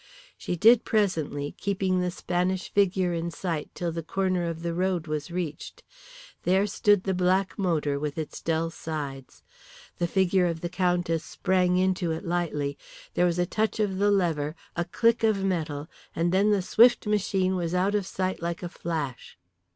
She did presently, keeping the Spanish figure in sight till the corner of the road was reached. There stood the black motor with its dull sides. The figure of the Countess sprang into it lightly. There was a touch of the lever, a click of metal, and then the swift machine was out of sight like a flash.